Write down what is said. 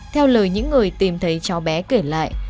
theo lời những người tìm thấy cháu bé kể lại